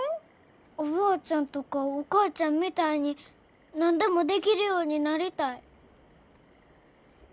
おばあちゃんとかお母ちゃんみたいに何でもできるようになりたい。